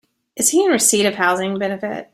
Is he in receipt of housing benefit?